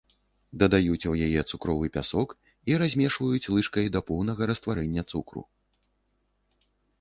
Дадаюць у яе цукровы пясок і размешваюць лыжкай да поўнага растварэння цукру.